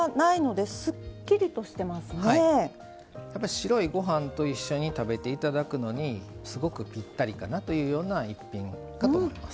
白いごはんと一緒に食べていただくのにすごくぴったりかなというような一品かと思います。